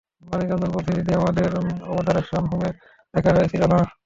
মানিকান্দন বলছি, দিদি আমাদের অবজারভেশন হোমে দেখা হয়েছিল না?